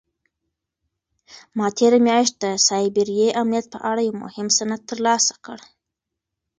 ما تېره میاشت د سایبري امنیت په اړه یو مهم سند ترلاسه کړ.